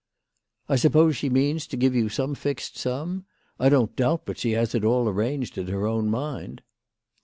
" I suppose she means to give you some fixed sum. I don't doubt but she has it all arranged in her own mind."